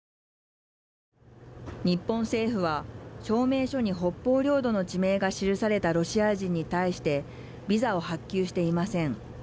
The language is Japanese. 日本政府は証明書に北方領土の地名が記されたロシア人に対してビザを発給していません。